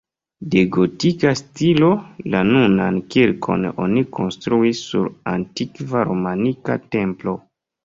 De gotika stilo, la nunan kirkon oni konstruis sur antikva romanika templo.